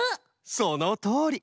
そのとおり！